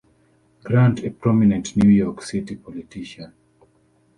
Grant, a prominent New York City politician.